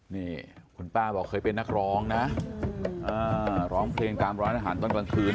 นี่คุณป้าบอกเคยเป็นนักร้องนะร้องเพลงตามร้านอาหารตอนกลางคืน